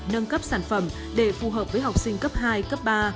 nâng cấp sản phẩm để phù hợp với học sinh cấp hai cấp ba